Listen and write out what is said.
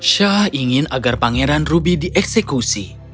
shah ingin agar pangeran rubi dieksekusi